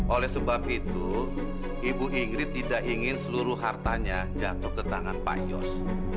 oleh sebab itu ibu ingrid tidak ingin seluruh hartanya jatuh ke tangan tekrar